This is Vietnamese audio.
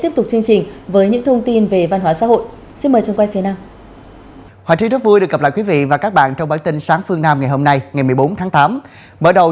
mời quý vị và các bạn đón xem